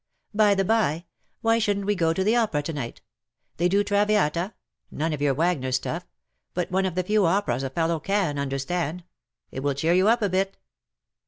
'' By the by, why shouldn^t we go to the opera to night ? They do ' Traviata / none of your Wagner stuff, but one of the few operas a fellow can understand. It will cheer you up a bit.''''